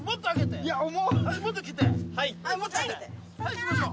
はいいきましょう。